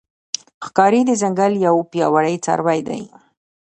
ښکاري د ځنګل یو پیاوړی څاروی دی.